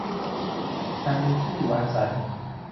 การมีที่อยู่อาศัย